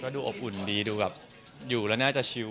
ดูอบอุ่นดีดูแบบอยู่แล้วน่าจะชิว